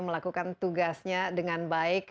melakukan tugasnya dengan baik